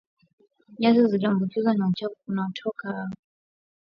Nyasi zilizoambukizwa na uchafu unaotoka kwenye ng'ombe walioathirika